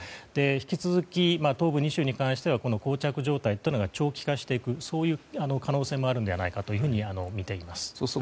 引き続き、東部２州に関しては膠着状態というのが長期化していく可能性もあるのではないかとみています。